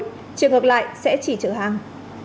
trường hợp lại sẽ chỉ trở hàng